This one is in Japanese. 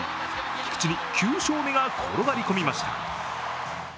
菊池に９勝目が転がりました。